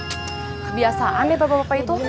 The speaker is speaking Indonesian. kebiasaan nih bapak bapak itu